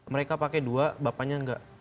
mereka pakai dua bapaknya enggak